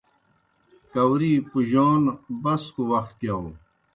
کاؤری پُجَون بسکوْ وخ گِیاؤ۔